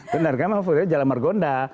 tundar tundar jalan margonda